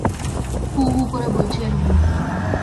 হু হু করে বইছে এলোমেলো।